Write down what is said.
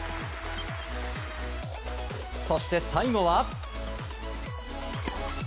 そして最後は。